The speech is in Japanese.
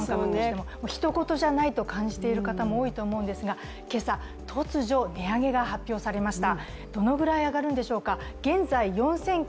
人ごとじゃないと感じている方も多いと思いますが、今朝、突如として値上げが発表されました。